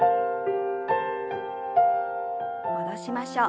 戻しましょう。